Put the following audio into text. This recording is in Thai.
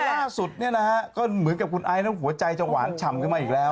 ล่าสุดเนี่ยนะฮะก็เหมือนกับคุณไอซ์หัวใจจะหวานฉ่ำขึ้นมาอีกแล้ว